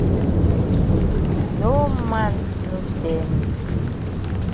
No man no tell me.